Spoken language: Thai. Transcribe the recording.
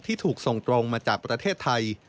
ที่ถูกส่งตรงมาจากประเทศไทย